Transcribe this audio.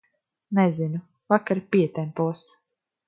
Nezinu, vakar pietempos.